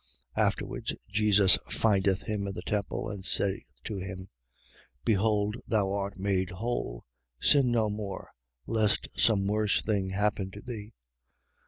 5:14. Afterwards, Jesus findeth him in the temple and saith to him: Behold thou art made whole: sin no more, lest some worse thing happen to thee.